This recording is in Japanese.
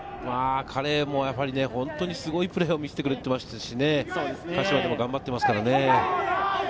彼も本当にすごいプレーを見せてくれていましたし、鹿島でも頑張っていますからね。